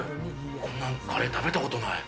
こんなカレー食べたことない。